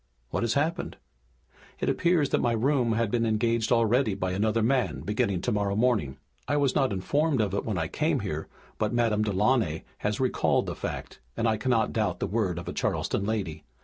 "What has happened?" "It appears that my room had been engaged already by another man, beginning tomorrow morning. I was not informed of it when I came here, but Madame Delaunay has recalled the fact and I cannot doubt the word of a Charleston lady.